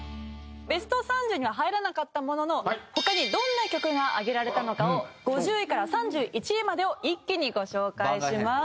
ベスト３０には入らなかったものの他にどんな曲が挙げられたのかを５０位から３１位までを一気にご紹介します。